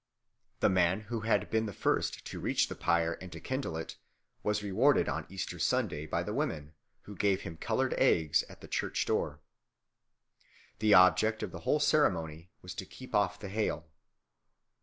The man who had been the first to reach the pyre and to kindle it was rewarded on Easter Sunday by the women, who gave him coloured eggs at the church door. The object of the whole ceremony was to keep off the hail.